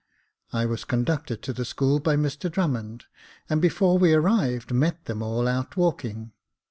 I was conducted to the school by Mr Drummond, and before we arrived met them all out walking.